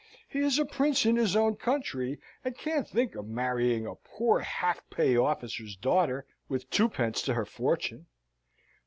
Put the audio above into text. He is a prince in his own country, and can't think of marrying a poor half pay officer's daughter, with twopence to her fortune.